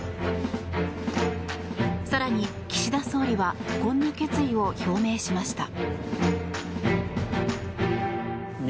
更に、岸田総理はこんな決意を表明しました。